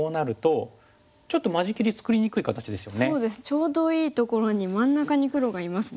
ちょうどいいところに真ん中に黒がいますね。